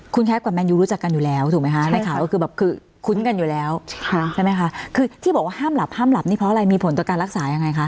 คุณแคทกับแมนยูรู้จักกันอยู่แล้วถูกไหมคะในข่าวก็คือแบบคือคุ้นกันอยู่แล้วใช่ไหมคะคือที่บอกว่าห้ามหลับห้ามหลับนี่เพราะอะไรมีผลต่อการรักษายังไงคะ